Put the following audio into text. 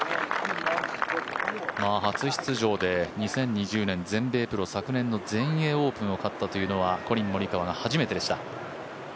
初出場で２０２０年全米プロ昨年の全英オープンを勝ったというのはコリン・モリカワが初めてでした。